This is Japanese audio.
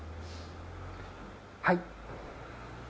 はい。